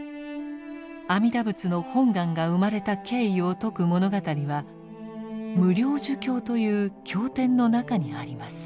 阿弥陀仏の本願が生まれた経緯を説く物語は「無量寿経」という経典の中にあります。